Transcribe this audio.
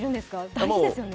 大事ですよね。